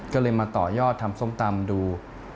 ก็เลยมาต่อยอดทำส้มตำดู